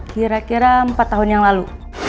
kira kira empat tahun yang lalu